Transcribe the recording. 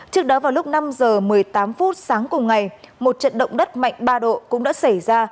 trước đó vào lúc năm h một mươi tám phút sáng cùng ngày một trận động đất mạnh ba độ cũng đã xảy ra